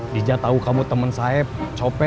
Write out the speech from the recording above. nija tau kamu temen saeb copet